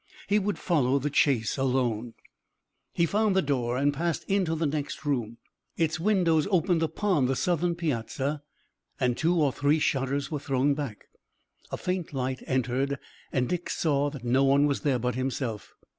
He would follow the chase alone. He found the door and passed into the next room. Its windows opened upon the southern piazza and two or three shutters were thrown back. A faint light entered and Dick saw that no one was there but himself.